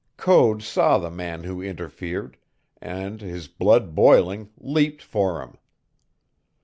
Code saw the man who interfered, and, his blood boiling, leaped for him.